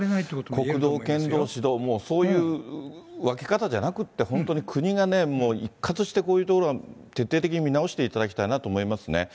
国道、県道、市道、そういう分け方じゃなくて、本当に国がね、一括してこういう道路は徹底して見直していただきたいなと思いますね。